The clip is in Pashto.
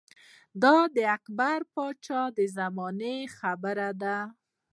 دا د اکبر باچا د زمانې خبره ده